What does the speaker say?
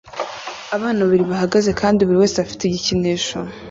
Abana babiri bahagaze kandi buri wese afite igikinisho